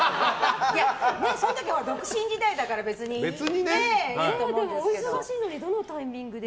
その時、独身時代だから別にお忙しいのにどのタイミングで。